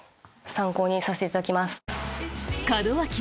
参考にさせていただきます。